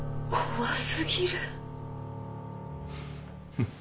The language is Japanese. フッ。